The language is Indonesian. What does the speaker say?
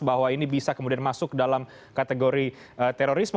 bahwa ini bisa kemudian masuk dalam kategori terorisme